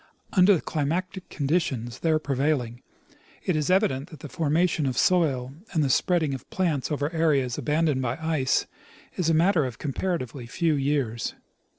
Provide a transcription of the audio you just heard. Under the climatic conditions there prevailing, it is evident that the formation of soil and the spreading of plants over areas abandoned by ice is a matter of comparatively few years.